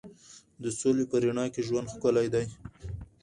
د سولې په رڼا کې ژوند ښکلی دی.